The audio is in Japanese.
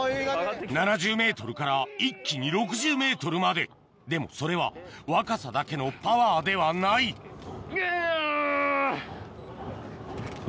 ７０ｍから一気に６０ｍまででもそれは若さだけのパワーではないうぅ！